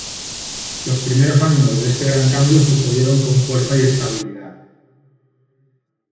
Los primeros años de este gran cambio sucedieron con fuerza y estabilidad.